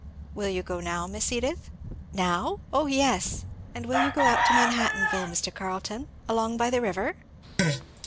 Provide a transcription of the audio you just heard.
"Will you go now, Miss Edith?" "Now? O yes! And will you go out to Manhattanville, Mr. Carleton! along by the river?"